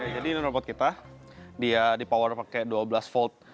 jadi ini robot kita dia dipower pakai dua belas volt